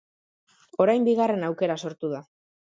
Orain bigarren aukera sortu da.